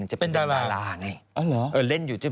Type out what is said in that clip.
จะเป็นดาราไง